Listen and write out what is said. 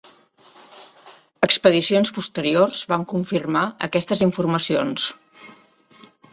Expedicions posteriors van confirmar aquestes informacions.